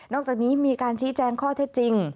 อกจากนี้มีการชี้แจงข้อเท็จจริง